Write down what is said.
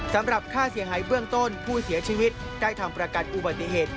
สำหรับค่าเสียหายเบื้องต้นผู้เสียชีวิตได้ทำประกันอุบัติเหตุ